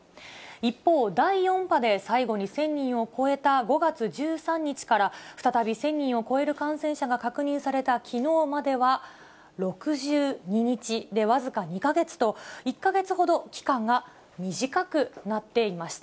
一方、第４波で最後に１０００人を超えた５月１３日から、再び１０００人を超える感染者が確認されたきのうまでは６２日で、僅か２か月と、１か月ほど期間が短くなっていました。